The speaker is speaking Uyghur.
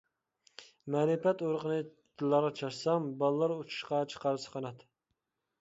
مەرىپەت ئۇرۇقىنى دىللارغا چاچسام، بالىلار ئۇچۇشقا چىقارسا قانات.